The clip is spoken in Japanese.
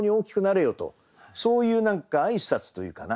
そういう挨拶というかな。